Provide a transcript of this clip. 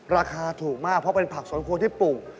ราคาถูกมากเพราะเป็นผักสวนครัวที่ปลูก